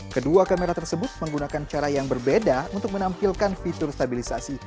kedua kamera tersebut menggunakan cara yang berbeda untuk menampilkan fitur stabilisasi